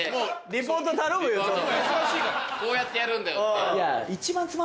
リポートこうやってやるんだよって。